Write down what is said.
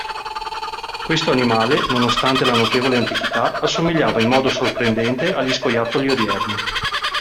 Questo animale, nonostante la notevole antichità, assomigliava in modo sorprendente agli scoiattoli odierni.